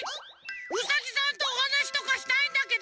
ウサギさんとおはなしとかしたいんだけど。